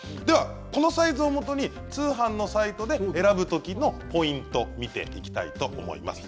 このサイズをもとに通販のサイトで選ぶときのポイントを見ていきたいと思います。